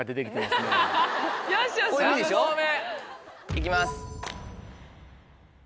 いきます。